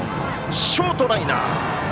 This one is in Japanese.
ショートライナー！